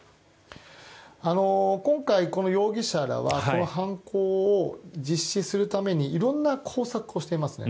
今回、この容疑者らはこの犯行を実施するために色々な工作をしていますね。